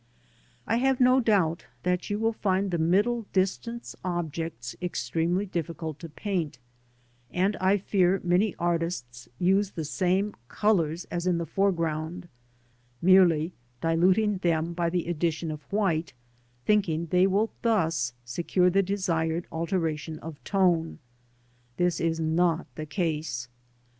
'"I have no^ouBt that you will find the middle distance objects extremely difficult to paint, and I fear many artists use the same colours as in the foreground, merely diluting them by the addition of white, thinking they will thus secure the desired alteration of \ tone. This is not the case.